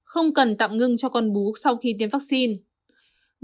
không cần tạm ngưng cho con bú sau khi tiêm vaccine